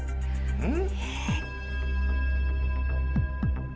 うん。